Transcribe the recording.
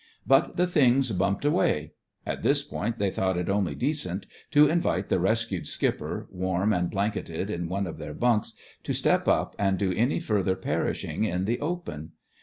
But the things bumped away. At this point they thought it only decent to invite the rescued skipper, warm and blanketed in one of their bunks, to step up and do any further perishing in the open.